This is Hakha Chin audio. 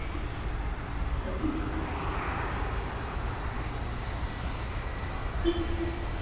Na thil man a din ngai.